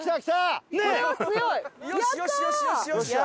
よしよしよしよし！